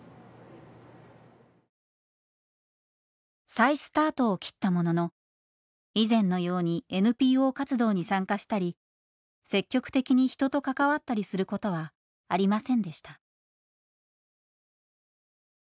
再スタートを切ったものの以前のようにＮＰＯ活動に参加したり積極的に人と関わったりすることはありませんでした。